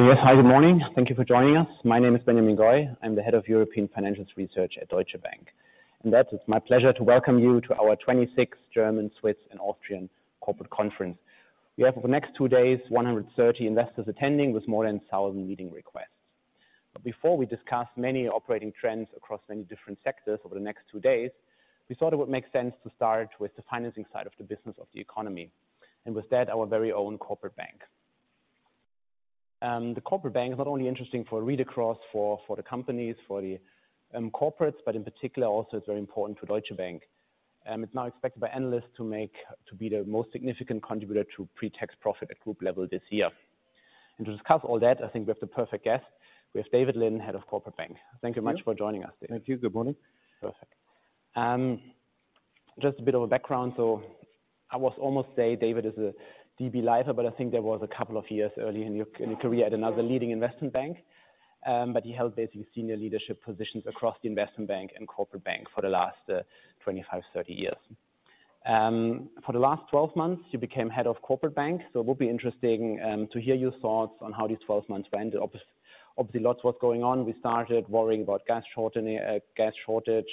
Yes, hi, good morning. Thank you for joining us. My name is Benjamin Goy. I'm the Head of European Financials Research at Deutsche Bank. It's my pleasure to welcome you to our 26th German, Swiss, and Austrian Corporate Conference. We have, for the next two days, 130 investors attending, with more than 1,000 meeting requests. Before we discuss many operating trends across many different sectors over the next two days, we thought it would make sense to start with the financing side of the business of the economy, and with that, our very own Corporate Bank. The Corporate Bank is not only interesting for read across for the companies, for the corporates, but in particular also it's very important to Deutsche Bank. It's now expected by analysts to be the most significant contributor to pre-tax profit at group level this year. To discuss all that, I think we have the perfect guest. We have David Lynne, Head of Corporate Bank. Thank you much for joining us, David. Thank you. Good morning. Perfect. Just a bit of a background, I must almost say David is a DB lifer, I think there was a couple of years early in your career at another leading investment bank. He held basically senior leadership positions across the investment bank and Corporate Bank for the last 25, 30 years. For the last 12 months, you became head of Corporate Bank, it will be interesting to hear your thoughts on how these 12 months went. Obviously, lots was going on. We started worrying about gas shortage.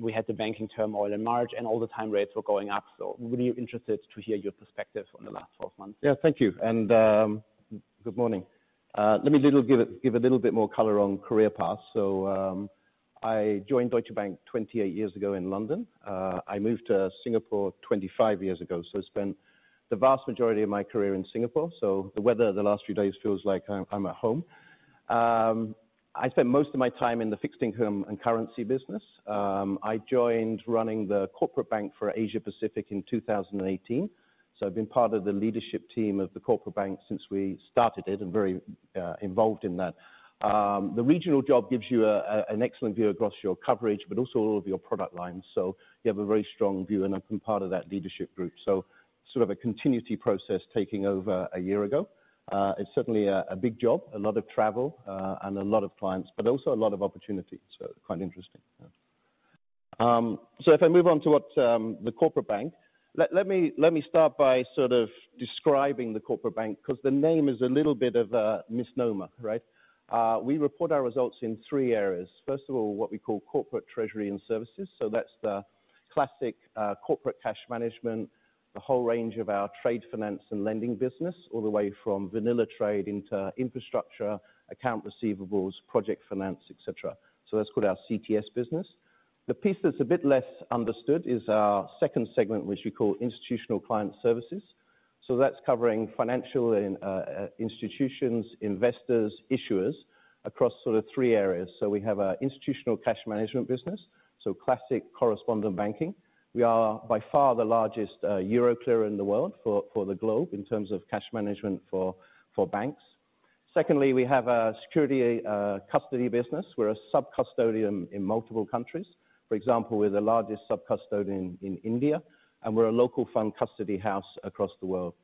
We had the banking turmoil in March, all the time rates were going up. Really interested to hear your perspective on the last 12 months. Yeah. Thank you. Good morning. Let me give a little bit more color on career path. I joined Deutsche Bank 28 years ago in London. I moved to Singapore 25 years ago, spent the vast majority of my career in Singapore. The weather the last few days feels like I'm at home. I spent most of my time in the fixed income and currency business. I joined running the Corporate Bank for Asia Pacific in 2018, I've been part of the leadership team of the Corporate Bank since we started it, very involved in that. The regional job gives you an excellent view across your coverage, also all of your product lines. You have a very strong view, I've been part of that leadership group. Sort of a continuity process taking over a year ago. It's certainly a big job, a lot of travel, and a lot of clients, but also a lot of opportunities. Quite interesting. If I move on to what the Corporate Bank, let me start by sort of describing the Corporate Bank, 'cause the name is a little bit of a misnomer, right? We report our results in three areas. First of all, what we call Corporate Treasury Services, that's the classic corporate cash management, the whole range of our trade finance and lending business, all the way from vanilla trade into infrastructure, account receivables, project finance, et cetera. That's called our CTS business. The piece that's a bit less understood is our second segment, which we call Institutional Client Services. That's covering financial and institutions, investors, issuers across sort of three areas. We have a institutional cash management business, so classic correspondent banking. We are by far the largest Euroclear in the world for the globe in terms of cash management for banks. Secondly, we have a security custody business. We're a sub-custodian in multiple countries. For example, we're the largest sub-custodian in India, and we're a local fund custody house across the world.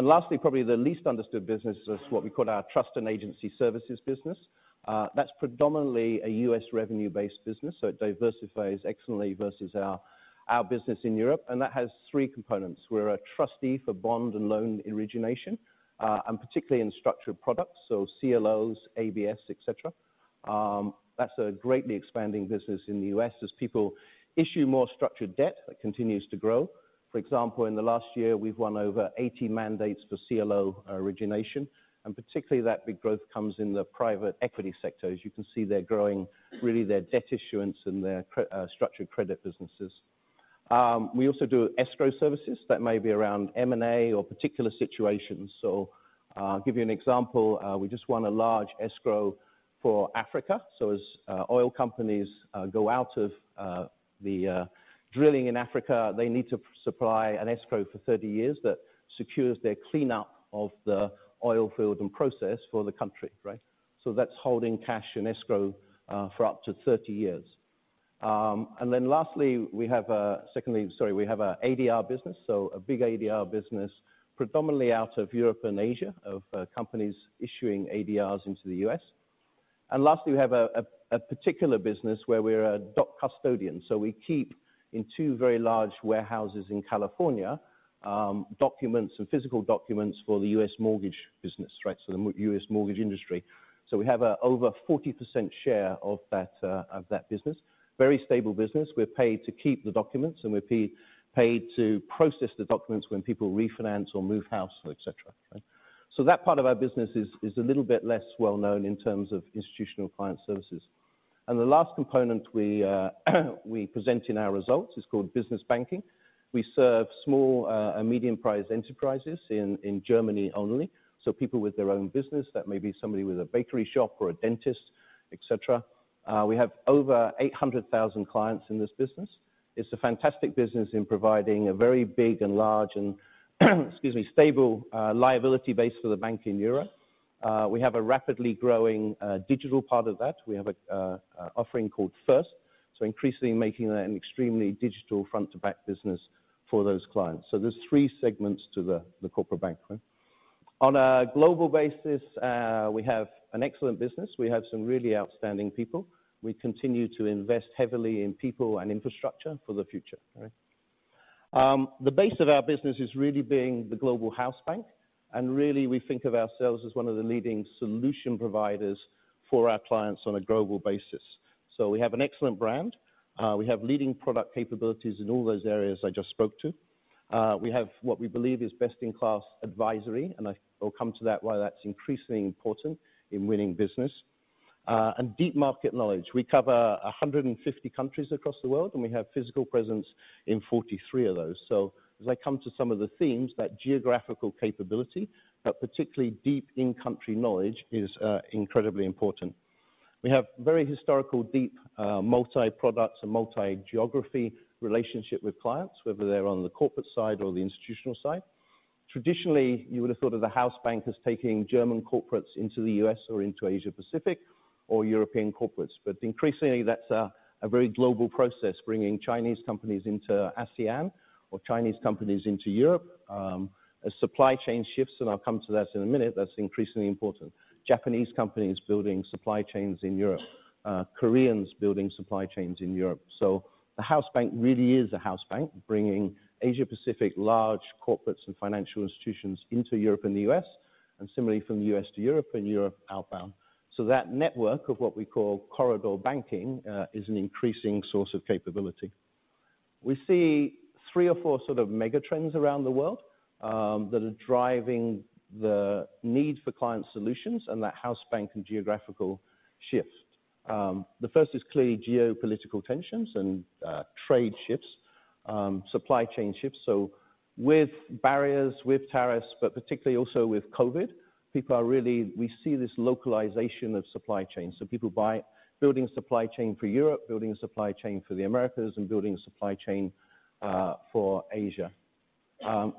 Lastly, probably the least understood business is what we call our trust and agency services business. That's predominantly a U.S. revenue-based business, so it diversifies excellently versus our business in Europe, and that has three components. We're a trustee for bond and loan origination and particularly in structured products, so CLOs, ABS, et cetera. That's a greatly expanding business in the US as people issue more structured debt, that continues to grow. For example, in the last year, we've won over 80 mandates for CLO origination, and particularly that big growth comes in the private equity sector. As you can see, they're growing really their debt issuance and their structured credit businesses. We also do escrow services that may be around M&A or particular situations. I'll give you an example. We just won a large escrow for Africa, as oil companies go out of drilling in Africa, they need to supply an escrow for 30 years that secures their cleanup of the oil field and process for the country, right? That's holding cash in escrow for up to 30 years. Lastly, we have a... Sorry, we have a ADR business, a big ADR business, predominantly out of Europe and Asia, of companies issuing ADRs into the U.S. Lastly, we have a particular business where we're a doc custodian, we keep in 2 very large warehouses in California, documents and physical documents for the U.S. mortgage business, right? The U.S. mortgage industry. We have a over 40% share of that business. Very stable business. We're paid to keep the documents, and we're paid to process the documents when people refinance or move house, et cetera, right? That part of our business is a little bit less well known in terms of Institutional Client Services. The last component we present in our results is called Business Banking. We serve small and medium-priced enterprises in Germany only, so people with their own business, that may be somebody with a bakery shop or a dentist, et cetera. We have over 800,000 clients in this business. It's a fantastic business in providing a very big and large and, excuse me, stable liability base for the bank in Europe. We have a rapidly growing digital part of that. We have an offering called First, so increasingly making that an extremely digital front-to-back business for those clients. There's three segments to the Corporate Bank. On a global basis, we have an excellent business. We have some really outstanding people. We continue to invest heavily in people and infrastructure for the future, right. The base of our business is really being the global house bank, and really, we think of ourselves as one of the leading solution providers for our clients on a global basis. We have an excellent brand. We have leading product capabilities in all those areas I just spoke to. We have what we believe is best-in-class advisory, and I'll come to that, why that's increasingly important in winning business, and deep market knowledge. We cover 150 countries across the world, and we have physical presence in 43 of those. As I come to some of the themes, that geographical capability, that particularly deep in-country knowledge is incredibly important. We have very historical, deep, multi-products and multi-geography relationship with clients, whether they're on the corporate side or the institutional side. Traditionally, you would've thought of the house bank as taking German corporates into the U.S. or into Asia Pacific or European corporates, but increasingly, that's a very global process, bringing Chinese companies into ASEAN or Chinese companies into Europe. As supply chain shifts, and I'll come to that in a minute, that's increasingly important. Japanese companies building supply chains in Europe, Koreans building supply chains in Europe. The house bank really is a house bank, bringing Asia Pacific large corporates and financial institutions into Europe and the U.S., and similarly from the U.S. to Europe and Europe outbound. That network of what we call corridor banking, is an increasing source of capability. We see three or four sort of mega trends around the world, that are driving the need for client solutions and that house bank and geographical shift. The 1st is clearly geopolitical tensions and trade shifts, supply chain shifts. With barriers, with tariffs, but particularly also with COVID, we see this localization of supply chain, so people buy building supply chain for Europe, building a supply chain for the Americas, and building a supply chain for Asia.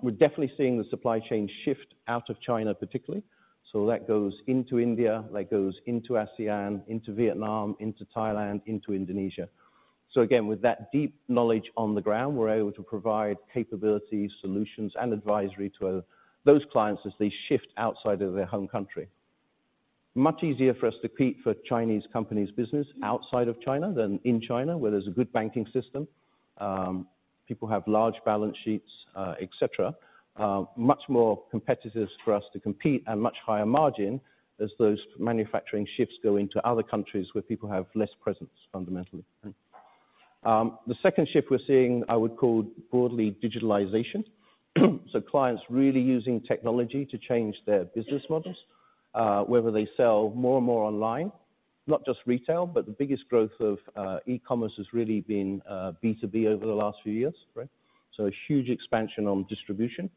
We're definitely seeing the supply chain shift out of China, particularly. That goes into India, that goes into ASEAN, into Vietnam, into Thailand, into Indonesia. Again, with that deep knowledge on the ground, we're able to provide capabilities, solutions, and advisory to those clients as they shift outside of their home country. Much easier for us to compete for Chinese companies' business outside of China than in China, where there's a good banking system. People have large balance sheets, et cetera. much more competitive for us to compete and much higher margin as those manufacturing shifts go into other countries where people have less presence, fundamentally, right. The second shift we're seeing, I would call broadly digitalization. Clients really using technology to change their business models, whether they sell more and more online, not just retail, but the biggest growth of e-commerce has really been B2B over the last few years, right. A huge expansion on distribution.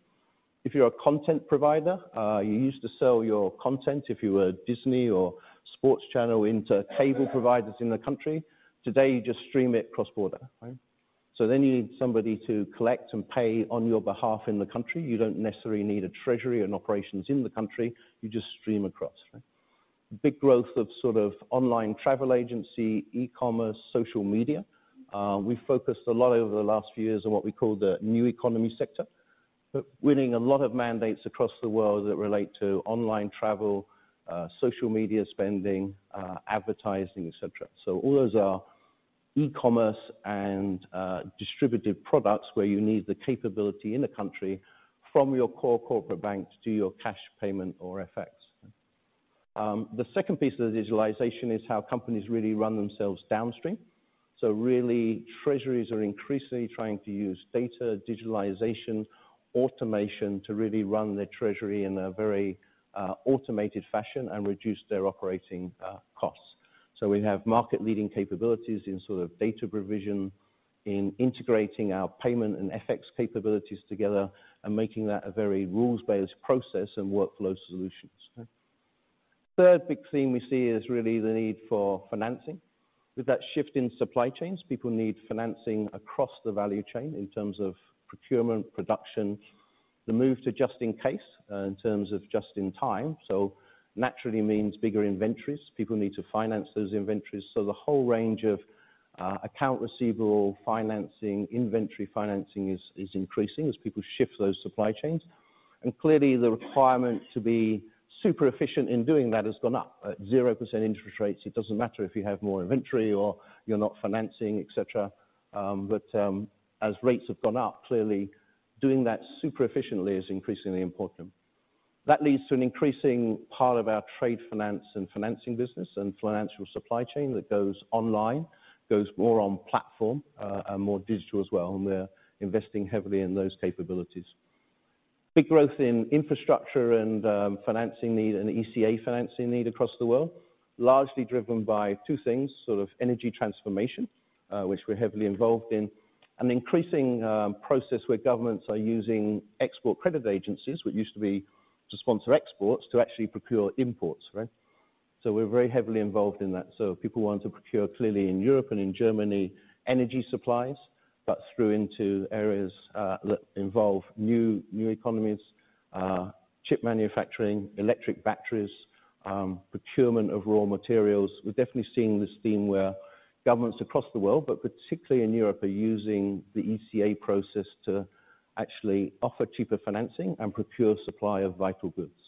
If you're a content provider, you used to sell your content, if you were Disney or sports channel, into cable providers in the country. Today, you just stream it cross-border, right. Then you need somebody to collect and pay on your behalf in the country. You don't necessarily need a treasury and operations in the country. You just stream across. Big growth of sort of online travel agency, e-commerce, social media. We've focused a lot over the last few years on what we call the New Economy Sector, but winning a lot of mandates across the world that relate to online travel, social media spending, advertising, et cetera. All those are e-commerce and distributive products where you need the capability in the country from your core Corporate Bank to do your cash payment or FX. The second piece of the digitalization is how companies really run themselves downstream. Really, treasuries are increasingly trying to use data, digitalization, automation to really run their treasury in a very automated fashion and reduce their operating costs. We have market-leading capabilities in sort of data provision, in integrating our payment and FX capabilities together and making that a very rules-based process and workflow solutions. Third big thing we see is really the need for financing. With that shift in supply chains, people need financing across the value chain in terms of procurement, production, the move to just in case, in terms of just in time, so naturally means bigger inventories. People need to finance those inventories, so the whole range of, account receivable, financing, inventory financing is increasing as people shift those supply chains. Clearly, the requirement to be super efficient in doing that has gone up. At 0% interest rates, it doesn't matter if you have more inventory or you're not financing, et cetera, but as rates have gone up, clearly doing that super efficiently is increasingly important. That leads to an increasing part of our trade finance and financing business and financial supply chain that goes online, goes more on platform, and more digital as well. We're investing heavily in those capabilities. Big growth in infrastructure and financing need and ECA financing need across the world, largely driven by two things, sort of energy transformation, which we're heavily involved in, and increasing process where governments are using export credit agencies, which used to be to sponsor exports, to actually procure imports, right? We're very heavily involved in that. If people want to procure, clearly in Europe and in Germany, energy supplies, but through into areas that involve new economies, chip manufacturing, electric batteries, procurement of raw materials. We're definitely seeing this theme where governments across the world, but particularly in Europe, are using the ECA process to actually offer cheaper financing and procure supply of vital goods.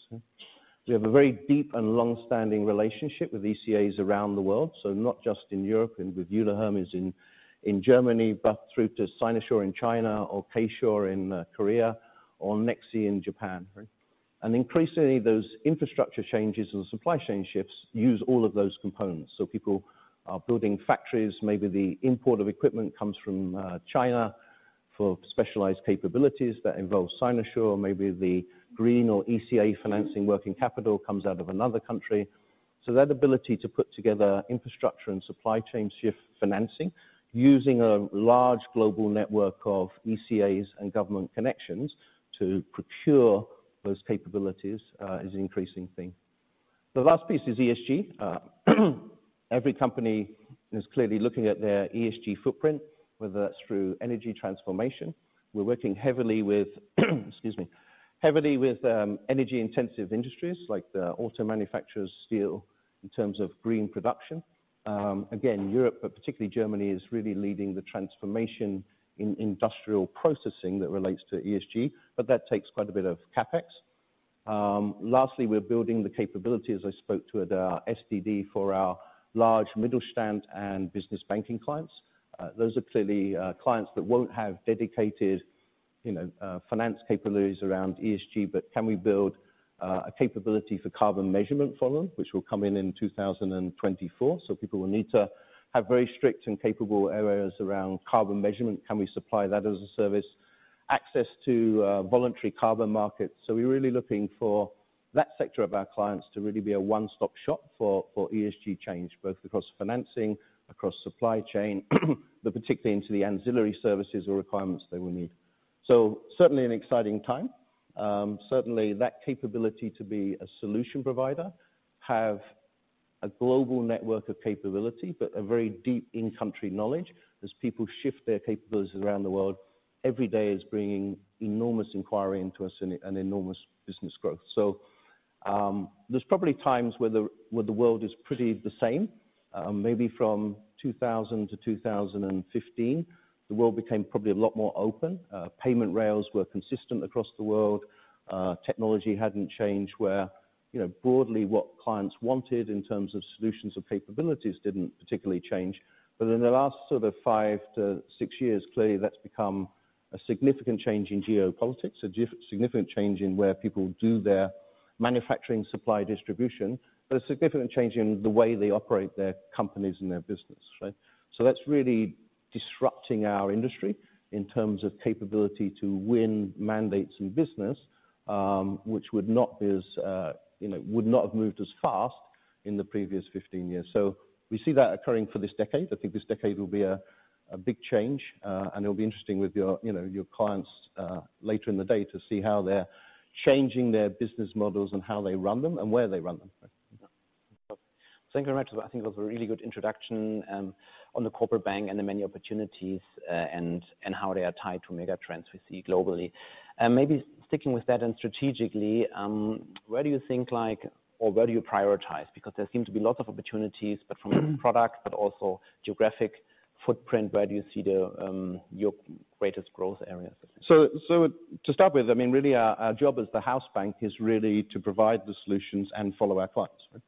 We have a very deep and long-standing relationship with ECAs around the world, so not just in Europe and with Euler Hermes in Germany, but through to Sinosure in China or K-SURE in Korea, or NEXI in Japan. Increasingly, those infrastructure changes or supply chain shifts use all of those components. People are building factories, maybe the import of equipment comes from China for specialized capabilities that involve Sinosure, or maybe the green or ECA financing working capital comes out of another country. That ability to put together infrastructure and supply chain shift financing, using a large global network of ECAs and government connections to procure those capabilities is an increasing thing. The last piece is ESG. Every company is clearly looking at their ESG footprint, whether that's through energy transformation. We're working heavily with energy-intensive industries, like the auto manufacturers, steel, in terms of green production. Again, Europe, but particularly Germany, is really leading the transformation in industrial processing that relates to ESG, but that takes quite a bit of CapEx. Lastly, we're building the capability, as I spoke to, at our SDD for our large Mittelstand and Business Banking clients. Those are clearly clients that won't have dedicated, you know, finance capabilities around ESG, but can we build a capability for carbon measurement for them? Which will come in in 2024, people will need to have very strict and capable areas around carbon measurement. Can we supply that as a service? Access to voluntary carbon markets, we're really looking for that sector of our clients to really be a one-stop shop for ESG change, both across financing, across supply chain, but particularly into the ancillary services or requirements they will need. Certainly, an exciting time. Certainly, that capability to be a solution provider, have a global network of capability, but a very deep in-country knowledge as people shift their capabilities around the world, every day is bringing enormous inquiry into us and enormous business growth. There's probably times where the world is pretty the same. Maybe from 2000 to 2015, the world became probably a lot more open. Payment rails were consistent across the world. Technology hadn't changed where, you know, broadly what clients wanted in terms of solutions and capabilities didn't particularly change. In the last sort of five to six years, clearly that's become a significant change in geopolitics, a significant change in where people do their manufacturing supply distribution, but a significant change in the way they operate their companies and their business, right? That's really disrupting our industry in terms of capability to win mandates and business, which would not be as, you know, would not have moved as fast in the previous 15 years. We see that occurring for this decade. I think this decade will be a big change. It'll be interesting with your, you know, your clients, later in the day, to see how they're changing their business models and how they run them and where they run them. Thank you very much. I think that was a really good introduction, on the Corporate Bank and the many opportunities, and how they are tied to mega trends we see globally. Maybe sticking with that and strategically, where do you think like, or where do you prioritize? Because there seem to be lots of opportunities, but products, but also geographic footprint. Where do you see the your greatest growth areas? To start with, I mean, really, our job as the house bank is really to provide the solutions and follow our clients, right?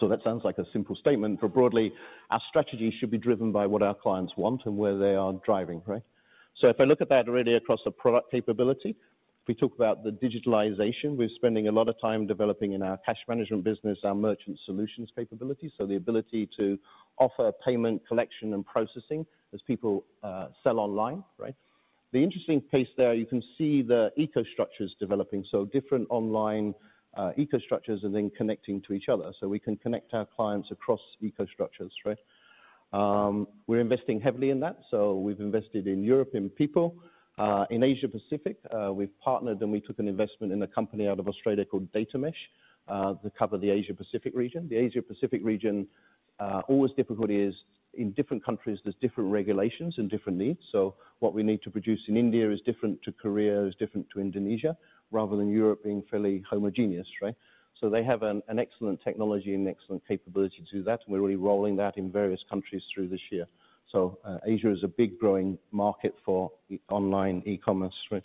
That sounds like a simple statement, but broadly, our strategy should be driven by what our clients want and where they are driving, right? If I look at that really across the product capability, if we talk about the digitalization, we're spending a lot of time developing in our cash management business, our merchant solutions capability, so the ability to offer payment collection and processing as people sell online, right? The interesting piece there, you can see the eco structures developing. Different online eco structures are then connecting to each other, so we can connect our clients across eco structures, right? We're investing heavily in that. We've invested in European people. In Asia Pacific, we've partnered, and we took an investment in a company out of Australia called DataMesh that cover the Asia Pacific region. The Asia Pacific region, always difficulty is in different countries, there's different regulations and different needs. What we need to produce in India is different to Korea, is different to Indonesia, rather than Europe being fairly homogeneous, right? They have an excellent technology and excellent capability to do that, and we're really rolling that in various countries through this year. Asia is a big growing market for e- online e-commerce, right?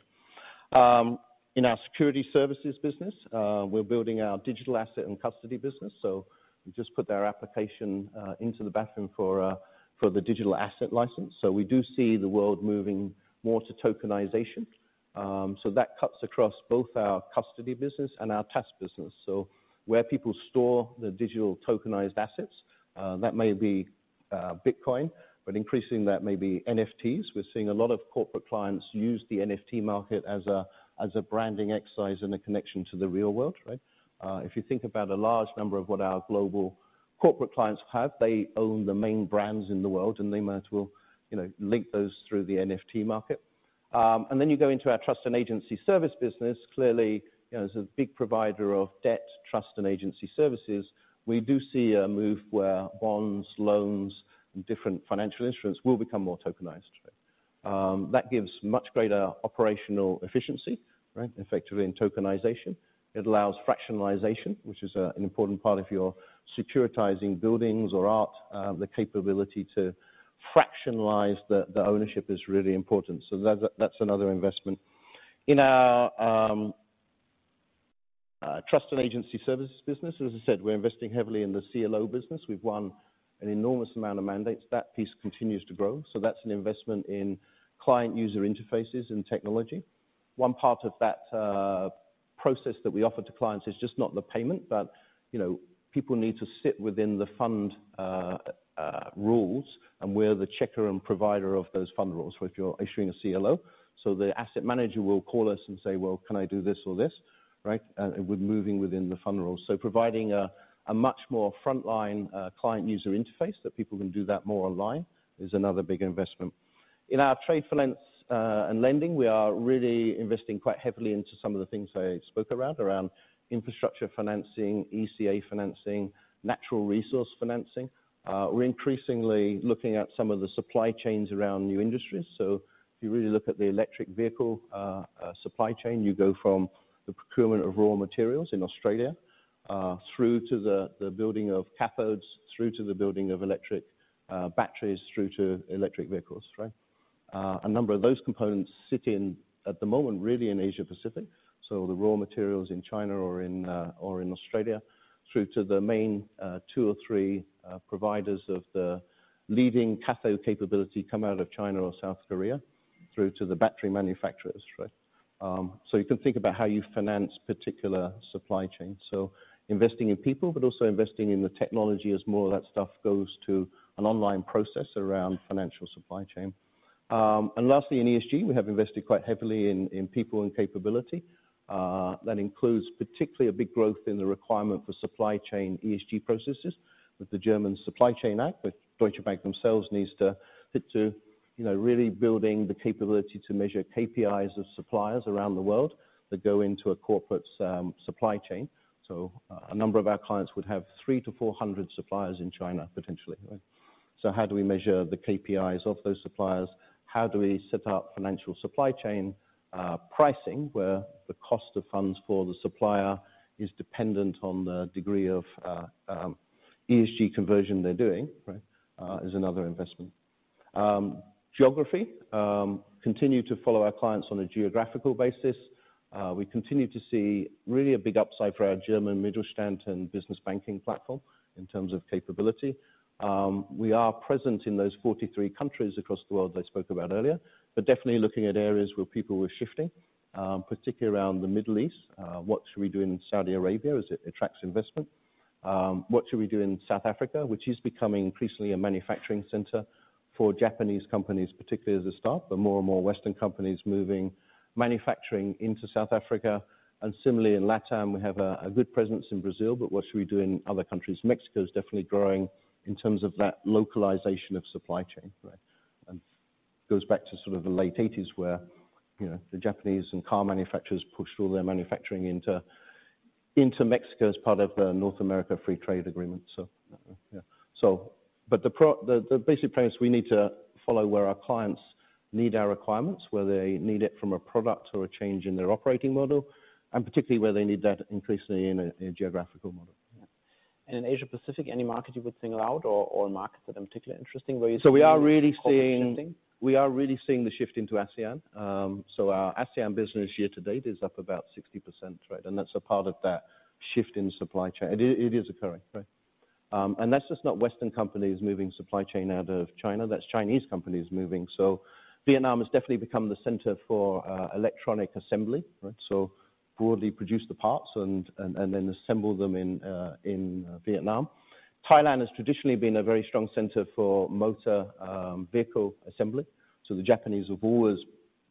In our security services business, we're building our digital asset and custody business, so we just put our application into the BaFin for the digital asset license. We do see the world moving more to tokenization. That cuts across both our custody business and our trust and agency services business. Where people store their digital tokenized assets, that may be Bitcoin, but increasingly that may be NFTs. We're seeing a lot of corporate clients use the NFT market as a branding exercise and a connection to the real world, right? If you think about a large number of what our global corporate clients have, they own the main brands in the world, and they might as well, you know, link those through the NFT market. You go into our trust and agency services business, clearly, you know, as a big provider of debt, trust, and agency services, we do see a move where bonds, loans, and different financial instruments will become more tokenized. That gives much greater operational efficiency, right? Effectively in tokenization. It allows fractionalization, which is an important part if you're securitizing buildings or art, the capability to fractionalize the ownership is really important, so that's another investment. In our trust and agency services business, as I said, we're investing heavily in the CLO business. We've won an enormous amount of mandates. That piece continues to grow, so that's an investment in client user interfaces and technology. One part of that process that we offer to clients is just not the payment, but, you know, people need to sit within the fund rules, and we're the checker and provider of those fund rules if you're issuing a CLO. The asset manager will call us and say, "Well, can I do this or this?" Right? And we're moving within the fund rules. Providing a much more frontline client user interface that people can do that more online is another big investment. In our trade finance and lending, we are really investing quite heavily into some of the things I spoke around infrastructure financing, ECA financing, natural resource financing. We're increasingly looking at some of the supply chains around new industries. If you really look at the electric vehicle supply chain, you go from the procurement of raw materials in Australia through to the building of cathodes, through to the building of electric batteries, through to electric vehicles, right? A number of those components sit in, at the moment, really in Asia Pacific, so the raw materials in China or in Australia, through to the main, two or three providers of the leading cathode capability come out of China or South Korea, through to the battery manufacturers, right? You can think about how you finance particular supply chains. Investing in people, but also investing in the technology as more of that stuff goes to an online process around financial supply chain. Lastly, in ESG, we have invested quite heavily in people and capability. That includes particularly a big growth in the requirement for supply chain ESG processes with the German Supply Chain Act, which Deutsche Bank themselves needs to fit to, you know, really building the capability to measure KPIs of suppliers around the world that go into a corporate's supply chain. A number of our clients would have 300-400 suppliers in China, potentially, right? How do we measure the KPIs of those suppliers? How do we set up financial supply chain pricing, where the cost of funds for the supplier is dependent on the degree of ESG conversion they're doing, right? Is another investment. Geography. Continue to follow our clients on a geographical basis. We continue to see really a big upside for our German Mittelstand and Business Banking platform in terms of capability. We are present in those 43 countries across the world that I spoke about earlier. Definitely looking at areas where people are shifting, particularly around the Middle East. What should we do in Saudi Arabia as it attracts investment? What should we do in South Africa, which is becoming increasingly a manufacturing center for Japanese companies, particularly as a start, but more and more Western companies moving manufacturing into South Africa. Similarly, in Latam, we have a good presence in Brazil, but what should we do in other countries? Mexico is definitely growing in terms of that localization of supply chain, right? Goes back to sort of the late '80s where, you know, the Japanese and car manufacturers pushed all their manufacturing into Mexico as part of the North American Free Trade Agreement. Yeah. The basic premise, we need to follow where our clients need our requirements, whether they need it from a product or a change in their operating model, and particularly where they need that increasingly in a, in a geographical model. In Asia Pacific, any market you would single out or markets that are particularly interesting? We are really. Seeing. We are really seeing the shift into ASEAN. Our ASEAN business year to date is up about 60%, right? That's a part of that shift in supply chain. It is occurring, right? That's just not Western companies moving supply chain out of China, that's Chinese companies moving. Vietnam has definitely become the center for electronic assembly, right? Broadly produce the parts and then assemble them in Vietnam. Thailand has traditionally been a very strong center for motor vehicle assembly, so the Japanese have always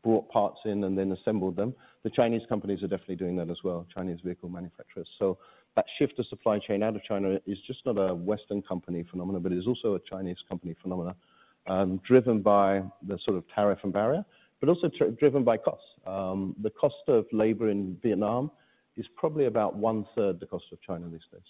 brought parts in and then assembled them. The Chinese companies are definitely doing that as well, Chinese vehicle manufacturers. That shift of supply chain out of China is just not a Western company phenomena, but is also a Chinese company phenomena, driven by the sort of tariff and barrier, but also driven by cost. The cost of labor in Vietnam is probably about one third the cost of China these days.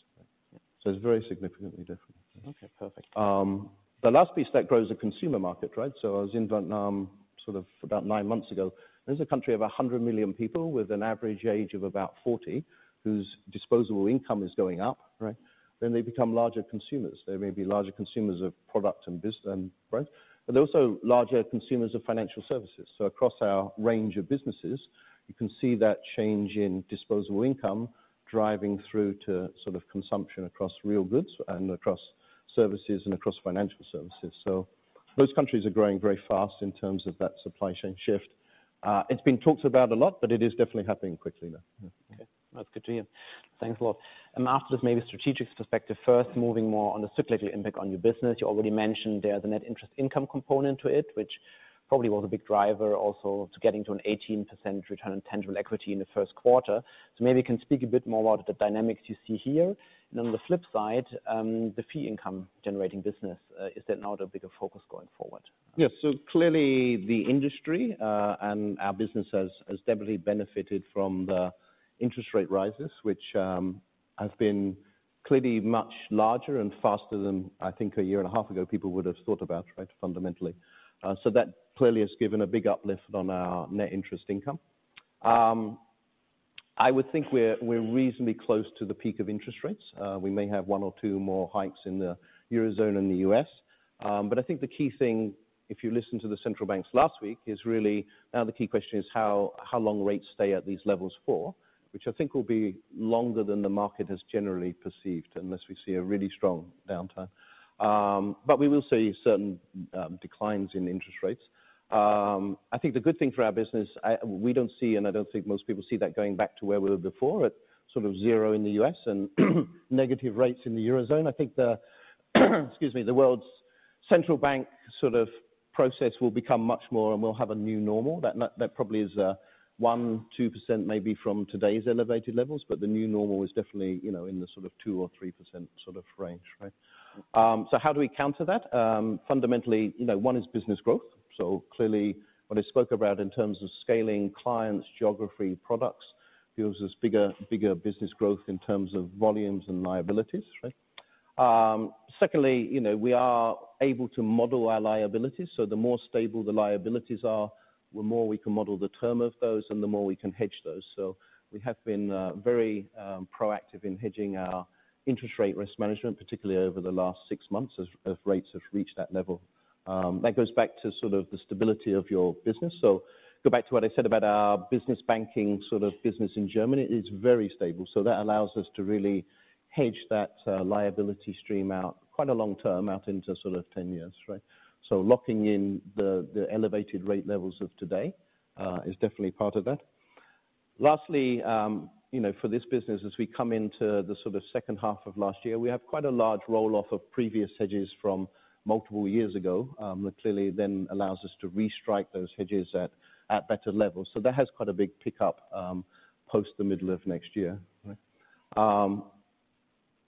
It's very significantly different. Okay, perfect. The last piece that grows the consumer market, right? I was in Vietnam sort of about 9 months ago. There's a country of 100 million people with an average age of about 40, whose disposable income is going up, right? They become larger consumers. They may be larger consumers of product, right? They're also larger consumers of financial services. Across our range of businesses, you can see that change in disposable income driving through to sort of consumption across real goods and across services and across financial services. Those countries are growing very fast in terms of that supply chain shift. It's been talked about a lot, but it is definitely happening quickly now. Okay. That's good to hear. Thanks a lot. After this maybe strategic perspective, first, moving more on the cyclical impact on your business. You already mentioned there the net interest income component to it, which probably was a big driver also to getting to an 18% return on tangible equity in the first quarter. Maybe you can speak a bit more about the dynamics you see here. On the flip side, the fee income generating business, is that now the bigger focus going forward? Yes. Clearly, the industry, and our business has definitely benefited from the interest rate rises, which have been clearly much larger and faster than I think a year and a half ago people would have thought about, right, fundamentally. That clearly has given a big uplift on our net interest income. I would think we're reasonably close to the peak of interest rates. We may have one or two more hikes in the Eurozone and the US. I think the key thing, if you listen to the central banks last week, is really, now the key question is how long rates stay at these levels for, which I think will be longer than the market has generally perceived, unless we see a really strong downturn. We will see certain declines in interest rates. I think the good thing for our business, we don't see, and I don't think most people see that going back to where we were before, at sort of zero in the U.S. and negative rates in the Eurozone. I think the, excuse me, the world's central bank sort of process will become much more, and we'll have a new normal. That probably is 1, 2% maybe from today's elevated levels, but the new normal is definitely, you know, in the sort of 2 or 3% sort of range, right. How do we counter that? Fundamentally, you know, one is business growth. Clearly, what I spoke about in terms of scaling clients, geography, products, gives us bigger business growth in terms of volumes and liabilities, right. Secondly, you know, we are able to model our liabilities, so the more stable the liabilities are, the more we can model the term of those, and the more we can hedge those. We have been very proactive in hedging our interest rate risk management, particularly over the last 6 months, as rates have reached that level. That goes back to sort of the stability of your business. Go back to what I said about our Business Banking, sort of business in Germany, it's very stable, so that allows us to really hedge that liability stream out quite a long term, out into sort of 10 years, right? Locking in the elevated rate levels of today is definitely part of that. Lastly, you know, for this business, as we come into the sort of second half of last year, we have quite a large roll-off of previous hedges from multiple years ago. That clearly then allows us to restrike those hedges at better levels, so that has quite a big pickup, post the middle of next year, right.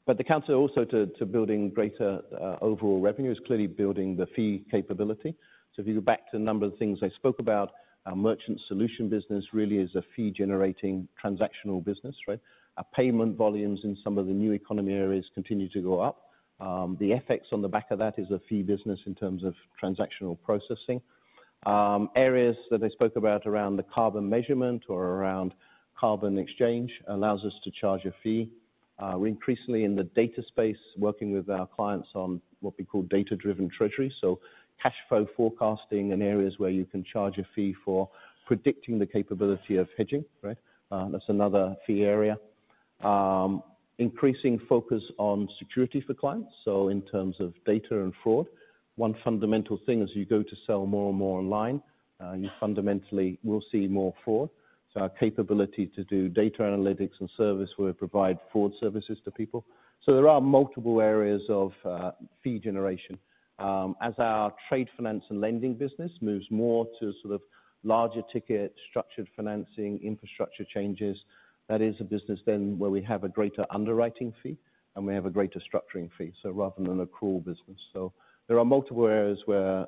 The counter also to building greater overall revenue is clearly building the fee capability. If you go back to a number of things I spoke about, our merchant solutions business really is a fee-generating, transactional business, right. Our payment volumes in some of the new economy areas continue to go up. The effects on the back of that is a fee business in terms of transactional processing. Areas that I spoke about around the carbon measurement or around carbon exchange allows us to charge a fee. We're increasingly in the data space, working with our clients on what we call data-driven treasury, so cash flow forecasting in areas where you can charge a fee for predicting the capability of hedging, right? That's another fee area. Increasing focus on security for clients, so in terms of data and fraud. One fundamental thing as you go to sell more and more online, you fundamentally will see more fraud. Our capability to do data analytics and service, where we provide fraud services to people. There are multiple areas of fee generation. As our trade finance and lending business moves more to sort of larger ticket, structured financing, infrastructure changes, that is a business then where we have a greater underwriting fee, and we have a greater structuring fee, so rather than an accrual business. There are multiple areas where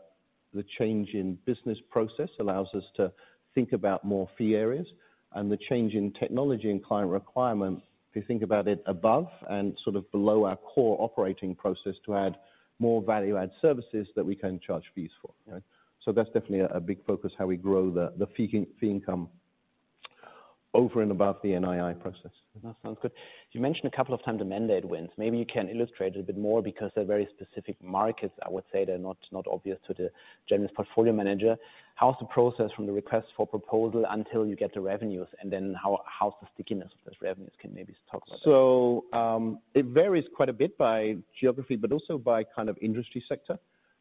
the change in business process allows us to think about more fee areas, and the change in technology and client requirements, if you think about it, above and sort of below our core operating process, to add more value-add services that we can charge fees for, right? That's definitely a big focus, how we grow the fee income over and above the NII process. That sounds good. You mentioned a couple of times the mandate wins. Maybe you can illustrate it a bit more because they're very specific markets, I would say. They're not obvious to the general portfolio manager. How's the process from the request for proposal until you get the revenues, and then how's the stickiness of those revenues? Can you maybe talk about that? It varies quite a bit by geography, but also by kind of industry sector.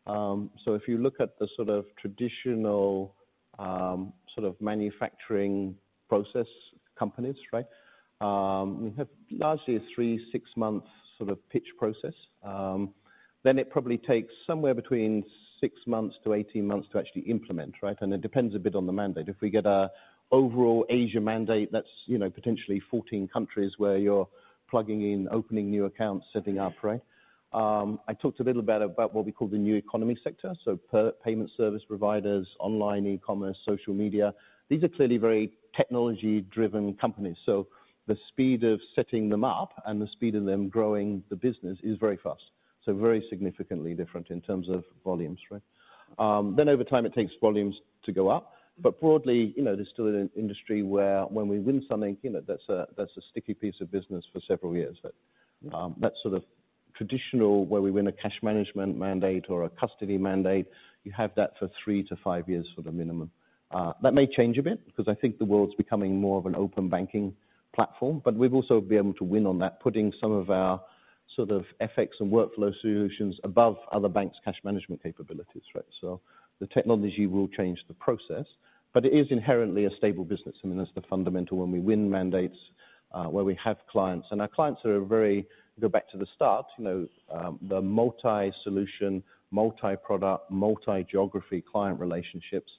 If you look at the sort of traditional, sort of manufacturing process companies, right? We have largely a 3-6 month sort of pitch process. It probably takes somewhere between 6-18 months to actually implement, right? It depends a bit on the mandate. If we get a overall Asia mandate, that's, you know, potentially 14 countries where you're plugging in, opening new accounts, setting up, right? I talked a little about what we call the new economy sector, so per payment service providers, online, e-commerce, social media. These are clearly very technology-driven companies, the speed of setting them up and the speed of them growing the business is very fast. Very significantly different in terms of volumes, right? Over time it takes volumes to go up. Broadly, you know, this is still an industry where when we win something, you know, that's a sticky piece of business for several years. That sort of traditional, where we win a cash management mandate or a custody mandate, you have that for 3-5 years for the minimum. That may change a bit, because I think the world's becoming more of an open banking platform, but we've also been able to win on that, putting some of our sort of effects and workflow solutions above other banks' cash management capabilities, right? The technology will change the process, but it is inherently a stable business, and that's the fundamental when we win mandates, where we have clients. Our clients are a very... Go back to the start, you know, the multi-solution, multi-product, multi-geography client relationships,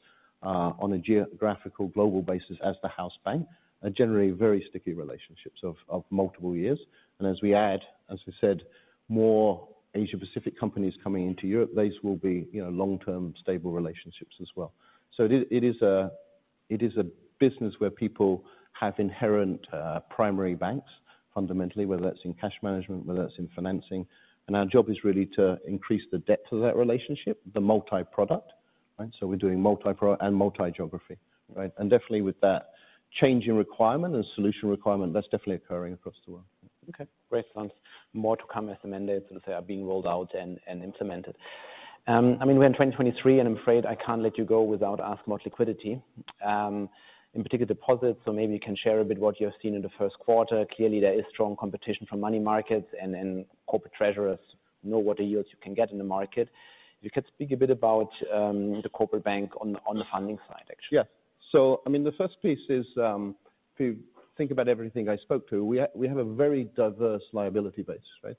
on a geographical global basis as the house bank, are generally very sticky relationships of multiple years. As we add, as we said, more Asia-Pacific companies coming into Europe, these will be, you know, long-term, stable relationships as well. It is a business where people have inherent, primary banks, fundamentally, whether that's in cash management, whether that's in financing, and our job is really to increase the depth of that relationship, the multi-product. Right, we're doing multi-pro and multi-geography, right? Definitely with that change in requirement and solution requirement, that's definitely occurring across the world. Okay, great. Thanks. More to come as amended, since they are being rolled out and implemented. I mean, we're in 2023, I'm afraid I can't let you go without asking about liquidity, in particular deposits. Maybe you can share a bit what you have seen in the first quarter. Clearly, there is strong competition from money markets, and corporate treasurers know what yields you can get in the market. If you could speak a bit about the Corporate Bank on the funding side, actually. Yes. I mean, the first piece is, if you think about everything I spoke to, we have a very diverse liability base, right?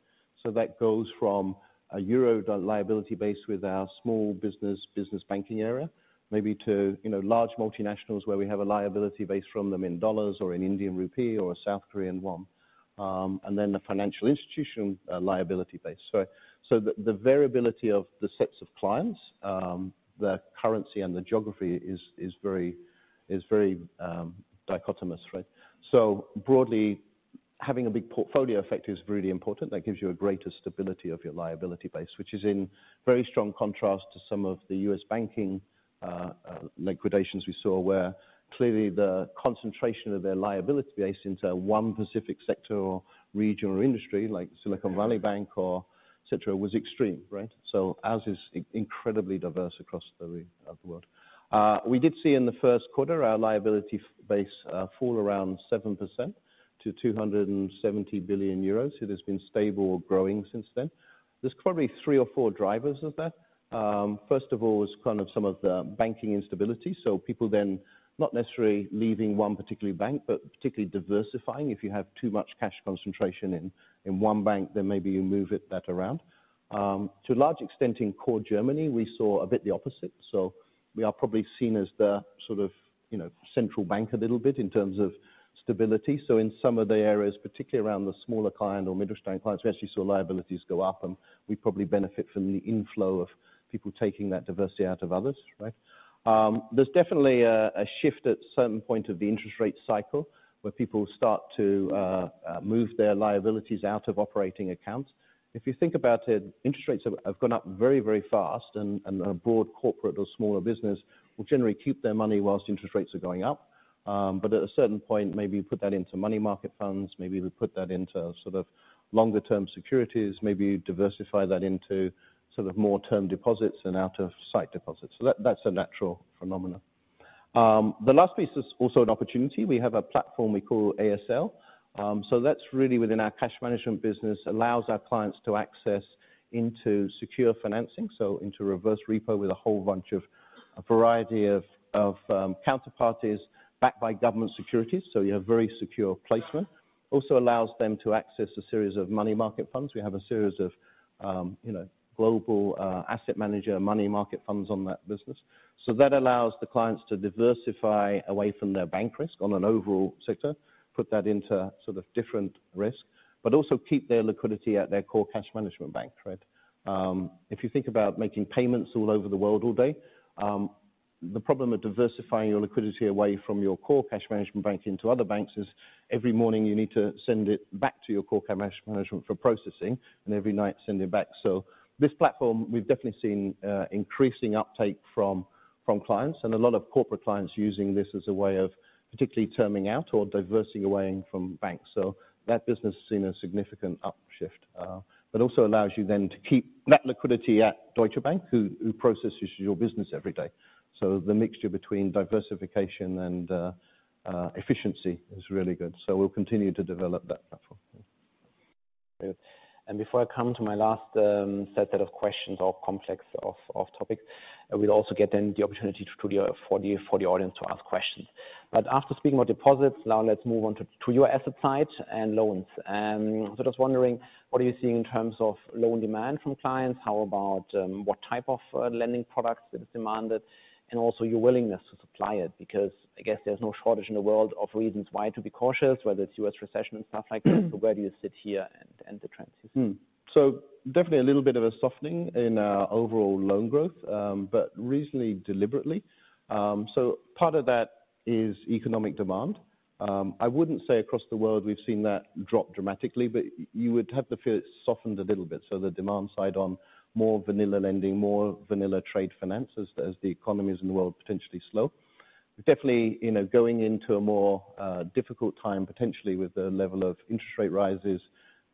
That goes from a EUR liability base with our small business, Business Banking area, maybe to, you know, large multinationals, where we have a liability base from them in USD or in INR or KRW. Then the financial institution, liability base. The variability of the sets of clients, the currency and the geography is very, is very dichotomous, right? Broadly, having a big portfolio effect is really important. That gives you a greater stability of your liability base, which is in very strong contrast to some of the US banking liquidations we saw, where clearly the concentration of their liability base into one specific sector or regional industry, like Silicon Valley Bank or et cetera, was extreme, right? Ours is incredibly diverse across the rest of the world. We did see in the first quarter, our liability base fall around 7% to 270 billion euros. It has been stable or growing since then. There's probably three or four drivers of that. First of all, is kind of some of the banking instability, so people then not necessarily leaving one particular bank, but particularly diversifying. If you have too much cash concentration in one bank, then maybe you move it around. To a large extent in core Germany, we saw a bit the opposite. We are probably seen as the sort of, you know, central bank a little bit in terms of stability. In some of the areas, particularly around the smaller client or middle-stream clients, we actually saw liabilities go up, and we probably benefit from the inflow of people taking that diversity out of others, right? There's definitely a shift at certain point of the interest rate cycle, where people start to move their liabilities out of operating accounts. If you think about it, interest rates have gone up very, very fast and a broad corporate or smaller business will generally keep their money while interest rates are going up. At a certain point, maybe you put that into money market funds, maybe we put that into sort of longer term securities, maybe diversify that into sort of more term deposits and out of sight deposits. That's a natural phenomenon. The last piece is also an opportunity. We have a platform we call ASL. That's really within our cash management business, allows our clients to access into secure financing, so into reverse repo with a whole bunch of, a variety of counterparties backed by government securities, so you have very secure placement. Also allows them to access a series of money market funds. We have a series of, you know, global asset manager, money market funds on that business. That allows the clients to diversify away from their bank risk on an overall sector, put that into sort of different risk, but also keep their liquidity at their core cash management bank, right? If you think about making payments all over the world all day, the problem with diversifying your liquidity away from your core cash management bank into other banks is every morning, you need to send it back to your core cash management for processing, and every night, send it back. This platform, we've definitely seen increasing uptake from clients, and a lot of corporate clients using this as a way of particularly terming out or diversify away from banks. That business has seen a significant upshift, but also allows you then to keep that liquidity at Deutsche Bank, who processes your business every day. The mixture between diversification and efficiency is really good, so we'll continue to develop that platform. Before I come to my last set of questions or complex of topics, I will also get then the opportunity to the audience to ask questions. After speaking about deposits, now let's move on to your asset side and loans. Just wondering, what are you seeing in terms of loan demand from clients? How about what type of lending products is demanded, and also your willingness to supply it? Because I guess there's no shortage in the world of reasons why to be cautious, whether it's U.S. recession and stuff like that. Mm-hmm. Where do you sit here and the trends you see? Definitely a little bit of a softening in our overall loan growth, but reasonably deliberately. Part of that is economic demand. I wouldn't say across the world we've seen that drop dramatically, but you would have to feel it's softened a little bit. The demand side on more vanilla lending, more vanilla trade finance, as the economies in the world potentially slow. Definitely, you know, going into a more difficult time, potentially with the level of interest rate rises,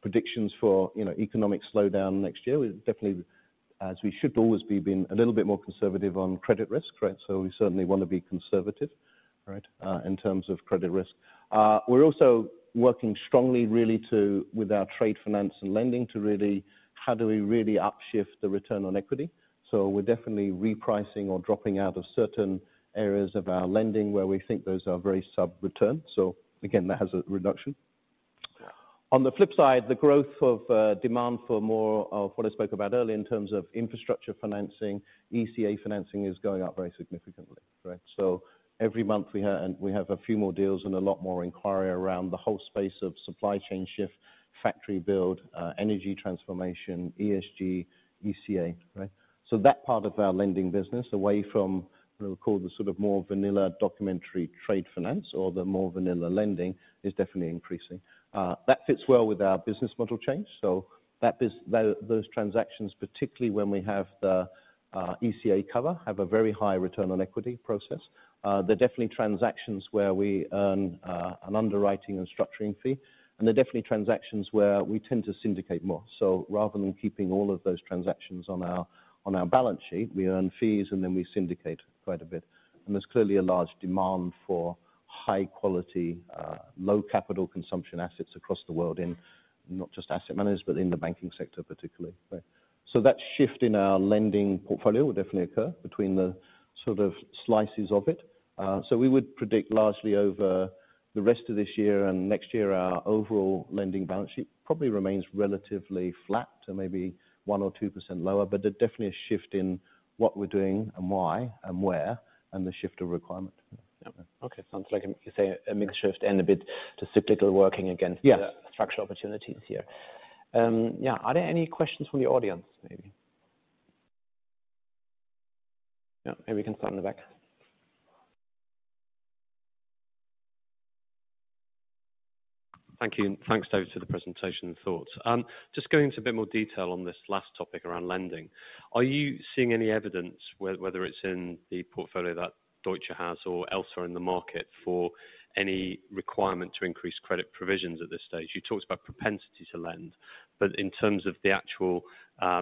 predictions for, you know, economic slowdown next year, we definitely, as we should always be, being a little bit more conservative on credit risk, right? We certainly wanna be conservative, right, in terms of credit risk. We're also working strongly really to... with our trade finance and lending, to really, how do we really up shift the return on equity? We're definitely repricing or dropping out of certain areas of our lending where we think those are very sub-return. Again, that has a reduction. On the flip side, the growth of demand for more of what I spoke about earlier in terms of infrastructure financing, ECA financing is going up very significantly, right? Every month, we have a few more deals and a lot more inquiry around the whole space of supply chain shift, factory build, energy transformation, ESG, ECA, right? That part of our lending business, we'll call the sort of more vanilla documentary trade finance or the more vanilla lending is definitely increasing. That fits well with our business model change, so that those transactions, particularly when we have the ECA cover, have a very high return on equity process. They're definitely transactions where we earn an underwriting and structuring fee, and they're definitely transactions where we tend to syndicate more. Rather than keeping all of those transactions on our balance sheet, we earn fees, and then we syndicate quite a bit. There's clearly a large demand for high quality, low capital consumption assets across the world, in not just asset management, but in the banking sector, particularly. That shift in our lending portfolio will definitely occur between the sort of slices of it. We would predict largely over the rest of this year and next year, our overall lending balance sheet probably remains relatively flat to maybe 1% or 2% lower. There's definitely a shift in what we're doing and why and where, and the shift of requirement. Okay. Sounds like, you say, a mixed shift and a bit just cyclical working against- Yeah the structural opportunities here. Yeah, are there any questions from the audience, maybe? Yeah, maybe we can start in the back. Thank you. Thanks, David, to the presentation thoughts. Just going into a bit more detail on this last topic around lending, are you seeing any evidence, whether it's in the portfolio that Deutsche has or elsewhere in the market, for any requirement to increase credit provisions at this stage? You talked about propensity to lend, but in terms of the actual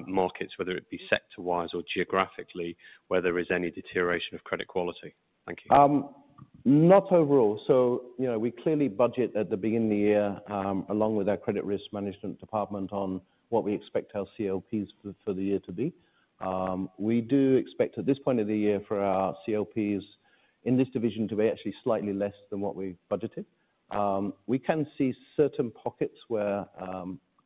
markets, whether it be sector-wise or geographically, where there is any deterioration of credit quality? Thank you. Not overall. You know, we clearly budget at the beginning of the year, along with our credit risk management department on what we expect our CLPs for the year to be. We do expect, at this point of the year for our CLPs in this division, to be actually slightly less than what we budgeted. We can see certain pockets where,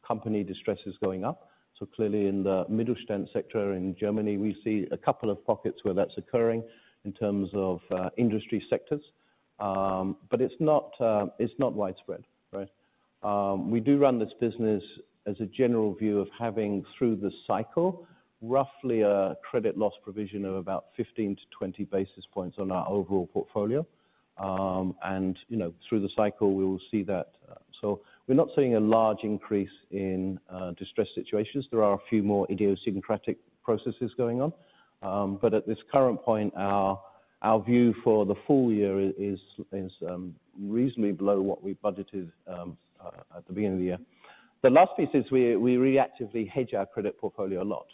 company distress is going up. Clearly in the Mittelstand sector in Germany, we see a couple of pockets where that's occurring in terms of industry sectors. It's not, it's not widespread, right? We do run this business as a general view of having, through the cycle, roughly a credit loss provision of about 15-20 basis points on our overall portfolio. You know, through the cycle, we will see that. We're not seeing a large increase in distressed situations. There are a few more idiosyncratic processes going on. At this current point, our view for the full year is reasonably below what we budgeted at the beginning of the year. The last piece is we reactively hedge our credit portfolio a lot.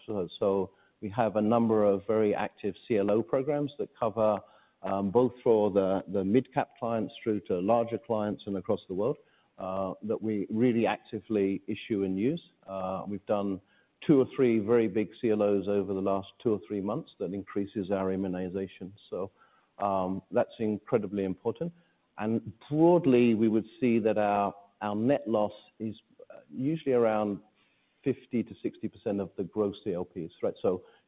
We have a number of very active CLO programs that cover both for the midcap clients through to larger clients and across the world that we really actively issue and use. We've done two or three very big CLOs over the last two or three months. That increases our immunization. That's incredibly important. Broadly, we would see that our net loss is usually around 50% to 60% of the gross CLPs, right?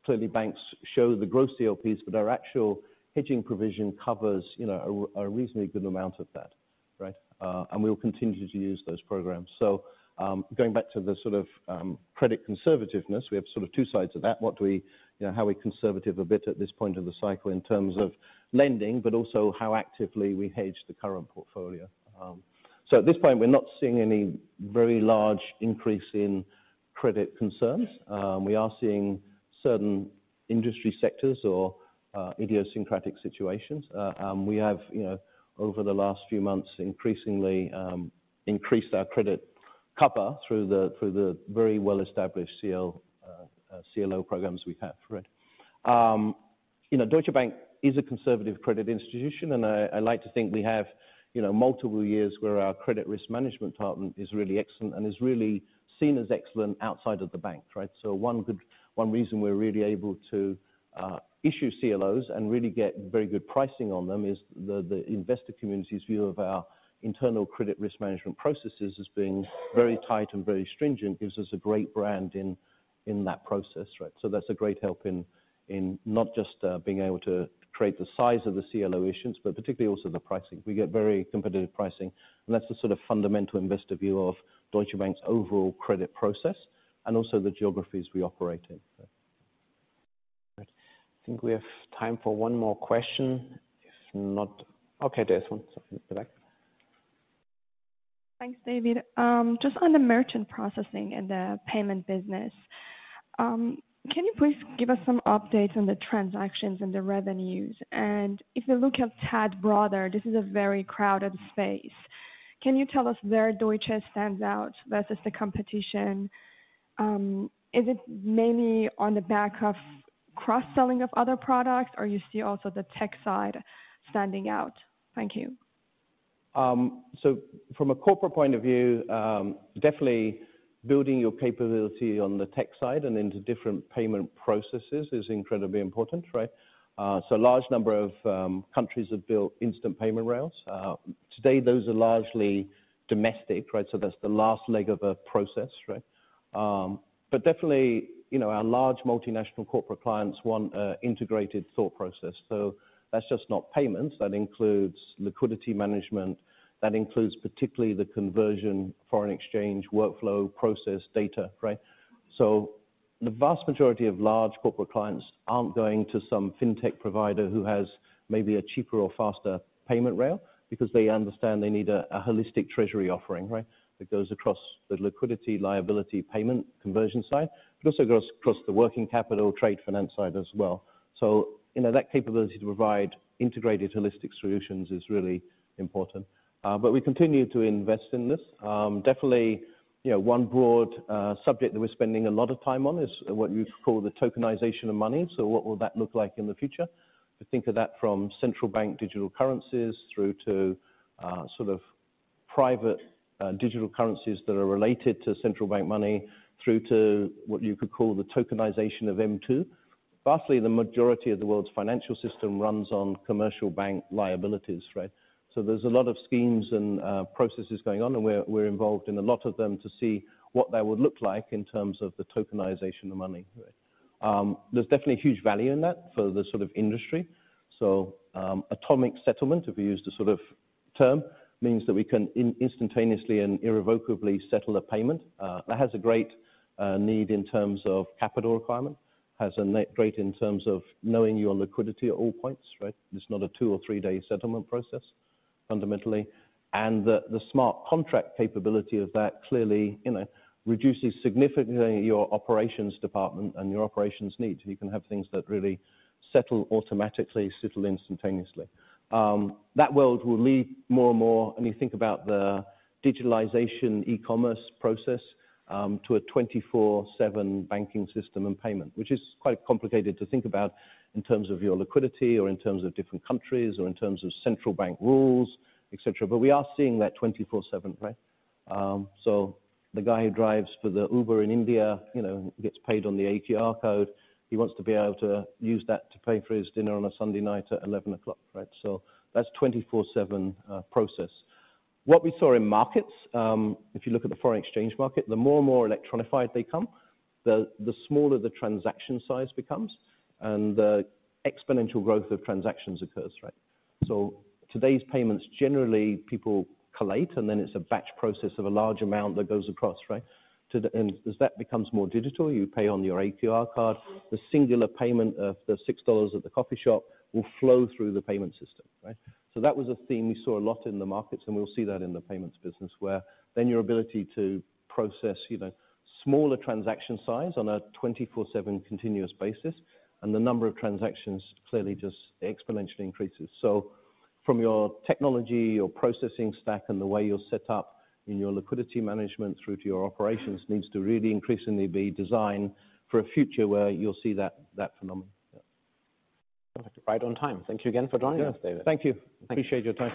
Clearly, banks show the gross CLP, but our actual hedging provision covers, you know, a reasonably good amount of that, right? We'll continue to use those programs. Going back to the sort of credit conservativeness, we have sort of two sides of that. What we, you know, how we conservative a bit at this point of the cycle in terms of lending, but also how actively we hedge the current portfolio. At this point, we're not seeing any very large increase in credit concerns. We are seeing certain industry sectors or idiosyncratic situations. We have, you know, over the last few months, increasingly increased our credit cover through the very well-established CLO programs we have, right? you know, Deutsche Bank is a conservative credit institution, and I like to think we have, you know, multiple years where our credit risk management department is really excellent and is really seen as excellent outside of the bank, right? One reason we're really able to issue CLOs and really get very good pricing on them is the investor community's view of our internal credit risk management processes as being very tight and very stringent, gives us a great brand in that process, right? That's a great help in not just being able to create the size of the CLO issues, but particularly also the pricing. We get very competitive pricing, and that's the sort of fundamental investor view of Deutsche Bank's overall credit process, and also the geographies we operate in. Right. I think we have time for one more question. If not... Okay, there's one in the back. Thanks, David. Just on the merchant processing and the payment business, can you please give us some updates on the transactions and the revenues? If you look at tap-to-pay, this is a very crowded space. Can you tell us where Deutsche stands out versus the competition? Is it mainly on the back of cross-selling of other products, or you see also the tech side standing out? Thank you. From a corporate point of view, definitely building your capability on the tech side and into different payment processes is incredibly important, right? A large number of countries have built instant payment rails. Today, those are largely domestic, right? That's the last leg of a process, right? Definitely, you know, our large multinational corporate clients want a integrated thought process. That's just not payments. That includes liquidity management. That includes particularly the conversion, foreign exchange, workflow, process, data, right. The vast majority of large corporate clients aren't going to some fintech provider who has maybe a cheaper or faster payment rail, because they understand they need a holistic treasury offering, right? That goes across the liquidity, liability, payment conversion side, but also goes across the working capital trade finance side as well. you know, that capability to provide integrated holistic solutions is really important. We continue to invest in this. Definitely, you know, one broad subject that we're spending a lot of time on is what you'd call the tokenization of money. What will that look like in the future? We think of that from central bank digital currencies through to, sort of private digital currencies that are related to central bank money, through to what you could call the tokenization of M2. Vastly, the majority of the world's financial system runs on commercial bank liabilities, right? There's a lot of schemes and processes going on, and we're involved in a lot of them to see what that would look like in terms of the tokenization of money. There's definitely huge value in that for the sort of industry. Atomic settlement, if we use the sort of term, means that we can instantaneously and irrevocably settle a payment. That has a great need in terms of capital requirement, has a great in terms of knowing your liquidity at all points, right? It's not a two or three-day settlement process, fundamentally. The smart contract capability of that clearly, you know, reduces significantly your operations department and your operations needs. You can have things that really settle automatically, settle instantaneously. That world will lead more and more, when you think about the digitalization e-commerce process to a 24/7 banking system and payment. Which is quite complicated to think about in terms of your liquidity, or in terms of different countries, or in terms of central bank rules, et cetera. We are seeing that 24/7, right? The guy who drives for the Uber in India, you know, gets paid on the QR code. He wants to be able to use that to pay for his dinner on a Sunday night at 11:00 P.M., right? That's 24/7 process. What we saw in markets, if you look at the foreign exchange market, the more and more electronified they come, the smaller the transaction size becomes, and the exponential growth of transactions occurs, right? Today's payments, generally people collate, and then it's a batch process of a large amount that goes across, right? As that becomes more digital, you pay on your debit card, the singular payment of the $6 at the coffee shop will flow through the payment system, right? That was a theme we saw a lot in the markets, and we'll see that in the payments business, where then your ability to process, you know, smaller transaction size on a 24/7 continuous basis, and the number of transactions clearly just exponentially increases. From your technology, your processing stack, and the way you're set up in your liquidity management through to your operations, needs to really increasingly be designed for a future where you'll see that phenomenon. Perfect. Right on time. Thank you again for joining us, David. Thank you. Appreciate your time.